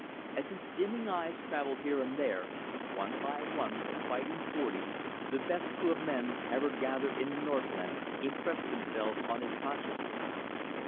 As his dimming eyes travelled here and there, one by one the Fighting Forty, the best crew of men ever gathered in the northland, impressed themselves on his consciousness.